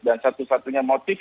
dan satu satunya motifnya